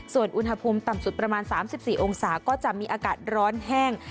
ส่วนอุณหภูมิต่ำสุดประมาณ๓๔องศาก็จะมีอากาศร้อนแห้ง